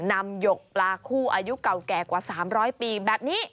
หยกปลาคู่อายุเก่าแก่กว่า๓๐๐ปีแบบนี้